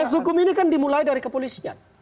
proses hukum ini kan dimulai dari kepolisian